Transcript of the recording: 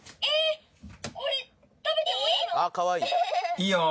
「」いいよ。